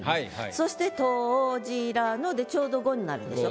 そしてちょうど５になるでしょ。